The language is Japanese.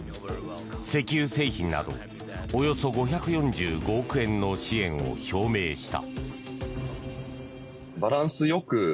石油製品などおよそ５４５億円の支援を表明した。